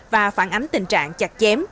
và phản ánh tình trạng chặt chặt